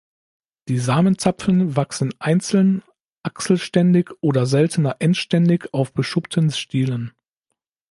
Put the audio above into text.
Die Samenzapfen wachsen einzeln, achselständig oder seltener endständig auf beschuppten Stielen.